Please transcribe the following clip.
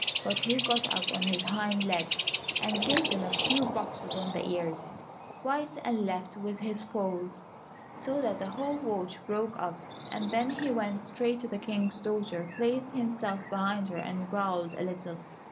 But he got up on his hind legs, and gave them a few boxes on the ears, right and left, with his paws, so that the whole watch broke up, and then he went straight to the King's daughter, placed himself behind her, and growled a little.